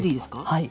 はい。